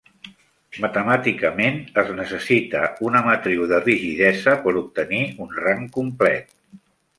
Matemàticament, es necessita una matriu de rigidesa per obtenir un rang complet.